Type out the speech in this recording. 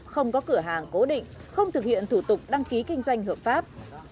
không có cửa hàng cố định không thực hiện thủ tục đăng ký kinh doanh hợp pháp